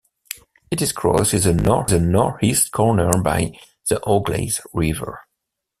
It is crossed in the northeast corner by the Auglaize River.